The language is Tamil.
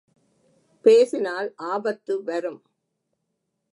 பேசினால் ஆபத்து வரும்.